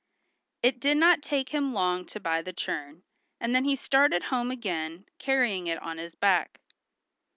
It did not take him long to buy the churn, and then he started home again, carrying it on his back.